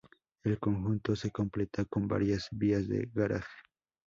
El conjunto se completa con varias vías de garaje.